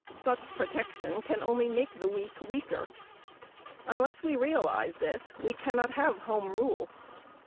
Such protection can only make the weak weaker. Unless we realise this, we cannot have Home Rule.